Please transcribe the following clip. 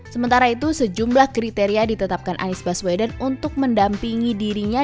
sementara itu sejumlah kriteria ditetapkan anies baswedan untuk mendampingi dirinya